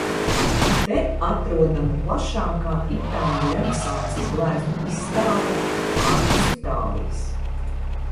Te atrodama plašākā itāļu renesanses gleznu izstāde ārpus Itālijas.